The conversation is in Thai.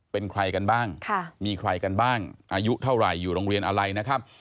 เป็นใครกันบ้างมีใครกันบ้างอายุเท่าไหร่อยู่โรงเรียนอะไรนะครับ